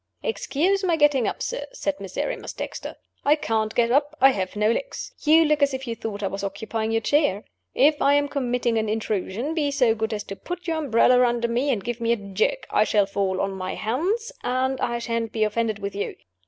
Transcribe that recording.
"Excuse my getting up, sir," said Miserrimus Dexter. "I can't get up I have no legs. You look as if you thought I was occupying your chair? If I am committing an intrusion, be so good as to put your umbrella under me, and give me a jerk. I shall fall on my hands, and I shan't be offended with you.